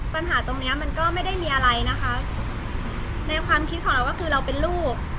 ปัญหาตรงเนี้ยมันก็ไม่ได้มีอะไรนะคะในความคิดของเราก็คือเราเป็นลูก